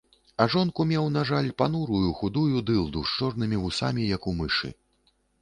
А жонку меў, на жаль, панурую худую дылду, з чорнымі вусамі, як у мышы.